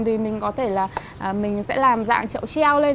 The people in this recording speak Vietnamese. thì mình có thể là mình sẽ làm dạng trậu treo lên